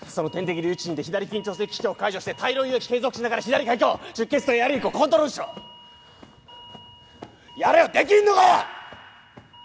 留置針で左緊張性気胸を解除して大量輸液継続しながら左開胸出血とエアリークをコントロールしろやれよできんのかよ！